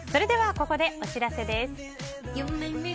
ここでお知らせです。